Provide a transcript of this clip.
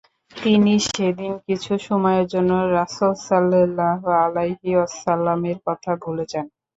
তিনি সেদিন কিছু সময়ের জন্য রাসূল সাল্লাল্লাহু আলাইহি ওয়াসাল্লাম-এর কথা ভুলে যান।